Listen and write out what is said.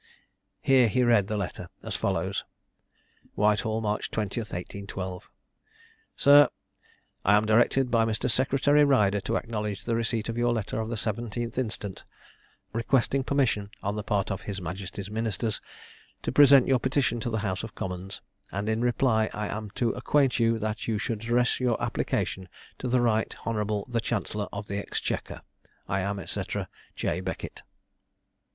Here he read the letter as follows: "Whitehall, March 20, 1812. "SIR, I am directed by Mr. Secretary Ryder to acknowledge the receipt of your letter of the 17th instant, requesting permission, on the part of his majesty's ministers, to present your petition to the house of commons; and in reply I am to acquaint you, that you should address your application to the right hon. the chancellor of the exchequer. "I am, &c. "J. BECKETT."